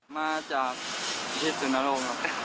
มาจากที่สุนโลกครับ